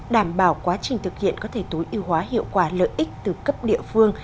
đảm bảo quá trình thực hiện có thể tối ưu hóa hiệu quả lợi ích từ cấp địa phương